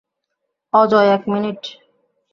অজয়, এক মিনিট।